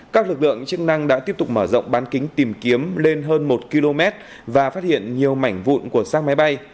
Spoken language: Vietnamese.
các lực lượng chức năng đã tiếp tục mở rộng bán kính tìm kiếm lên hơn một km và phát hiện nhiều mảnh vụn của sang máy bay